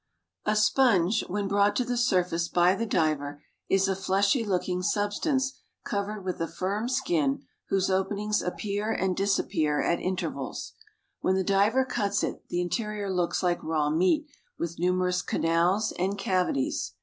A sponge when brought to the surface by the diver is a fleshy looking substance covered with a firm skin whose openings appear and disappear at intervals. When the diver cuts it the interior looks like raw meat with numerous canals and cavities.